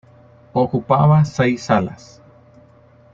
Ocupaba seis salas.